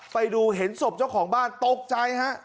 ไปดูเห็นศพเจ้าของบ้านตกใจฮะ